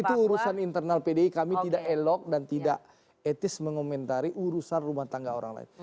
itu urusan internal pdi kami tidak elok dan tidak etis mengomentari urusan rumah tangga orang lain